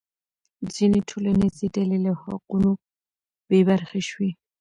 ځینې ټولنیزې ډلې له حقونو بې برخې شوې.